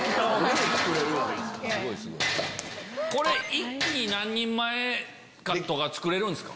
一気に何人前とか作れるんですか？